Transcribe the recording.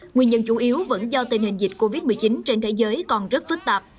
nguyên nhân chủ yếu vẫn do tình hình dịch covid một mươi chín trên thế giới còn rất phức tạp